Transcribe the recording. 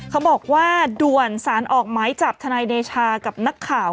เขาบอกว่าด่วนสารออกหมายจับทนายเดชากับนักข่าว